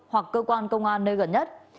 hoặc cơ quan công an nơi gần nhất